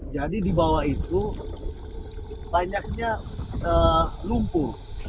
jadi di bawah itu banyaknya lumpur